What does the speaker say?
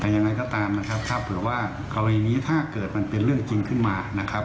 ยังไงก็ตามนะครับถ้าเผื่อว่ากรณีนี้ถ้าเกิดมันเป็นเรื่องจริงขึ้นมานะครับ